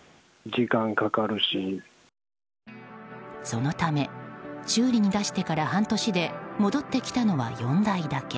そのため修理に出してから半年で戻ってきたのは４台だけ。